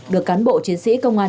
được cán bộ chiến sĩ công an